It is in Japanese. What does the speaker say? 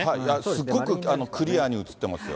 すっごくクリアに映ってますよ。